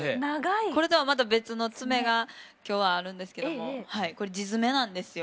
これとはまた別の爪が今日はあるんですけどもこれ自爪なんですよ。